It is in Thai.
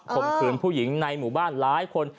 มขืนผู้หญิงในหมู่บ้านหลายคน